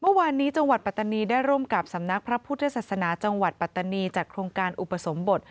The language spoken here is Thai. เมื่อวานนี้จังหวัดปัตตานีได้ร่วมกับสำนักพระพุทธศาสนาจังหวัดปัตตานีจัดโครงการอุปสมบท